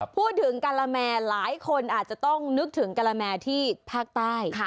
พูดถึงกะละแมหลายคนอาจจะต้องนึกถึงกะละแมที่ภาคใต้